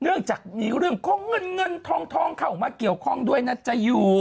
เนื่องจากมีเรื่องของเงินเงินทองเข้ามาเกี่ยวข้องด้วยนะจะอยู่